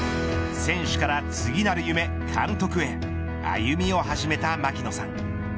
選手から次なる夢、監督へ歩みを始めた槙野さん。